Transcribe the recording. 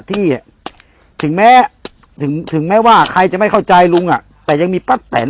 ที่ถึงแม้ถึงถึงแม้ว่าใครจะไม่เข้าใจลุงอ่ะแต่ยังมีป้าแตน